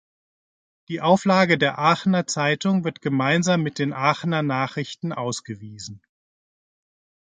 Die Auflage der "Aachener Zeitung" wird gemeinsam mit den "Aachener Nachrichten" ausgewiesen.